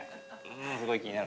すごい気になるね。